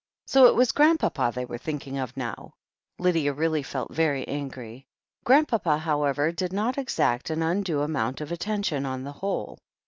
So it was Grandpapa they were thinking of now 1 Lydia really felt very angry. Grandpapa, however, did not exact an undue amount of attention, on the whole.